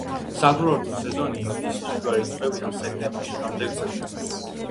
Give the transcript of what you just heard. საკურორტო სეზონი ივნისის შუა რიცხვებიდან სექტემბრის შუამდე გრძელდება.